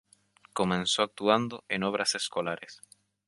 Comenzó actuando en obras escolares.